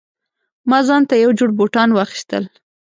ما ځانته یو جوړ بوټان واخیستل